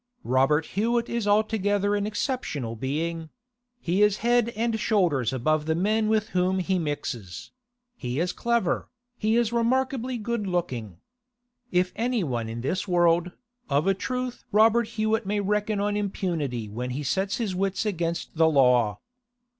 Robert Hewett is altogether an exceptional being; he is head and shoulders above the men with whom he mixes; he is clever, he is remarkably good looking. If anyone in this world, of a truth Robert Hewett may reckon on impunity when he sets his wits against the law.